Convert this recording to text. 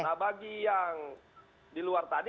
nah bagi yang di luar tadi